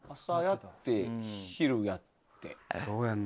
朝やって昼やって。